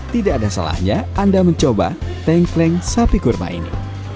tidak ada salahnya anda mencoba tengkleng sapi kurmanya